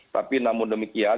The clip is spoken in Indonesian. tapi namun demikian